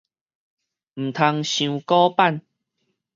毋通傷古板